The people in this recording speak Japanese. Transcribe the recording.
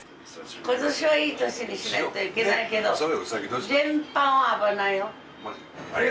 今年はいい年にしないといけないけど全般は危ないよ。